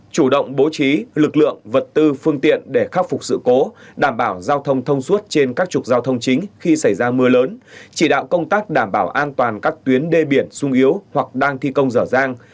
chủ động bố trí lực lượng vật tư phương tiện để khắc phục sự cố đảm bảo giao thông thông suốt trên các trục giao thông chính khi xảy ra mưa lớn chỉ đạo công tác đảm bảo an toàn các tuyến đê biển sung yếu hoặc đang thi công dở dang